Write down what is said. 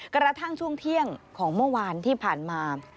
กระทั่งช่วงเที่ยงของเมื่อวานที่ผ่านมา